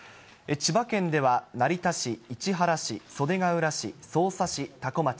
千葉県では、成田市、市原市、袖ケ浦市、匝瑳市、多古町。